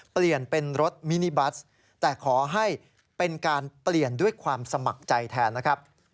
เปลี่ยนเป็นรถมินิบัสแต่ขอให้เป็นการเปลี่ยนด้วยความสมัครใจแทนนะครับ